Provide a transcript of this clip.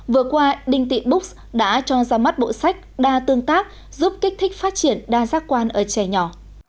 vừa qua đinh tị bux đã cho ra mắt bộ sách đa tương tác giúp kích thích phát triển đa giác quan ở trẻ nhỏ